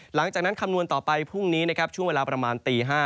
หลังจากนั้นคำนวณต่อไปพรุ่งนี้ช่วงเวลาประมาณตี๕